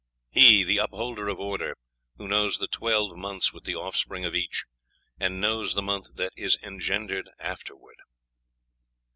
He, the upholder of order, who knows the twelve months with the offspring of each, and knows the month that is engendered afterward."